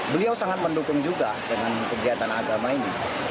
beliau sangat mendukung juga dengan kegiatan agama ini